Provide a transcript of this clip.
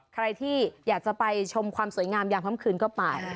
ใครที่อยากจะไปชมความสวยงามยามค่ำคืนก็ไป